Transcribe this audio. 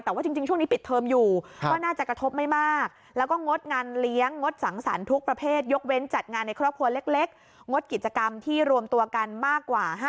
แต่ว่าจริงช่วงนี้ปิดเทอมอยู่ก็น่าจะกระทบไม่มาก